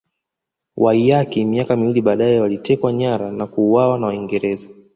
Waiyaki miaka miwili baadaye alitekwa nyara na kuuawa na Waingereza